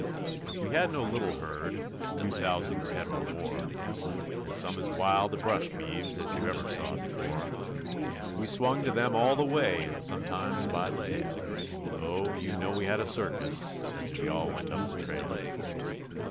We had no little herd two thousand head or more And some as wild a brush beeves as you ever saw before. We swung to them all the way and sometimes by the tail, Oh, you know we had a circus as we all went up the trail.